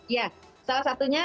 ya salah satunya